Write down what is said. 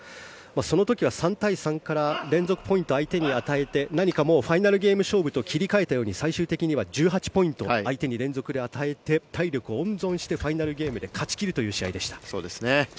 その時は３対３から連続ポイントを相手に与えてファイナルゲーム勝負と切り替えたように最終的には１８ポイントを相手に連続で与えて体力を温存してファイナルゲームで勝ち切るという試合でした。